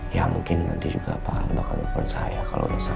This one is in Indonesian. ya mungkin nanti juga pak al bakal telepon saya kalau udah sampai